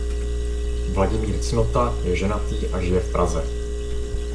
Vladimír Cnota je ženatý a žije v Praze.